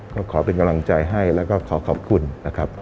ก็ขอเป็นกำลังใจให้แล้วก็ขอขอบคุณนะครับ